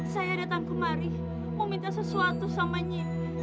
saya datang kemari meminta sesuatu sama nyi